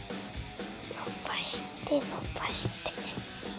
のばしてのばして。